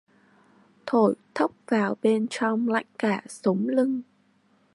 Thổi thốc vào bên trong lạnh cả sống lưng